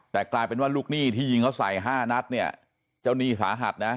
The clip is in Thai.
แต่กลายเป็นว่าลูกหนี้ที่ยิงเขาใส่๕นัดเนี่ยเจ้าหนี้สาหัสนะ